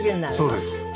そうです。